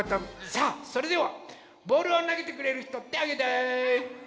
さあそれではボールをなげてくれるひとてあげて！